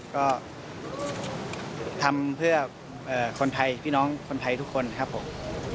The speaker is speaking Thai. ก็ทำเพื่อคนไทยพี่น้องคนไทยทุกคนครับผม